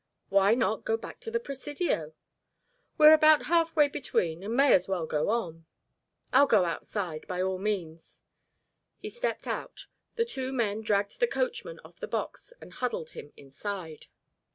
"Why not go back to the Presidio?" "We are about half way between, and may as well go on." "I'll go outside, by all means." He stepped out. The two men dragged the coachman off the box and huddled him inside.